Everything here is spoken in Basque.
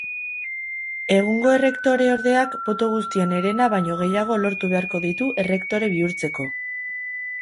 Egungo errektoreordeak boto guztien herena baino gehiago lortu beharko ditu errektore bihurtzeko.